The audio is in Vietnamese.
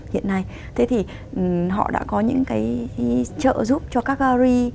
hiện nay thế thì họ đã có những cái trợ giúp cho các gallery